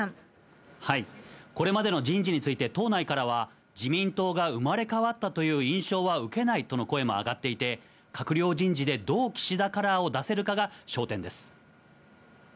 これまでの人事について、党内からは、自民党が生まれ変わったという印象は受けないとの声も上がっていて、閣僚人事で、どう岸田カラーを出せるかが焦点です。